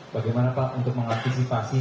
bagaimana pak untuk mengaktifasi